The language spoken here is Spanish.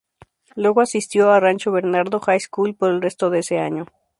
Luego asistió a Rancho Bernardo High School por el resto de ese año.